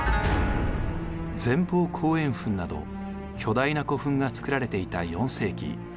前方後円墳など巨大な古墳が造られていた４世紀。